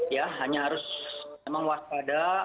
ya hanya harus memang waspada